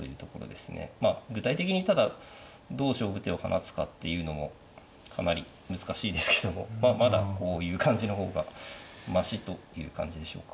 具体的にただどう勝負手を放つかっていうのもかなり難しいですけどもまあまだこういう感じの方がましという感じでしょうか。